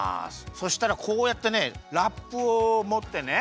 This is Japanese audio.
そしたらこうやってねラップをもってね